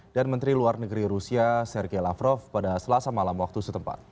dan menteri luar negeri rusia sergei lavrov pada selasa malam waktu setempat